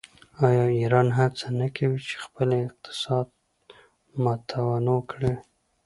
آیا ایران هڅه نه کوي چې خپل اقتصاد متنوع کړي؟